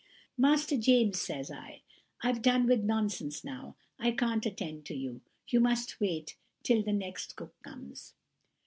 "'Master James,' says I, 'I've done with nonsense now, I can't attend to you. You must wait till the next cook comes.